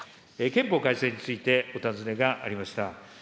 憲法改正について、お尋ねがありました。